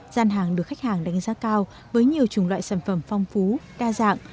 gian hàng được khách hàng đánh giá cao với nhiều chủng loại sản phẩm phong phú đa dạng